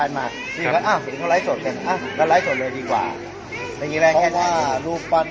สวัสดีครับพี่เบนสวัสดีครับ